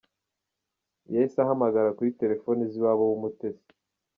Yahise ahamagara kuri telefoni z’iwabo w’Umutesi.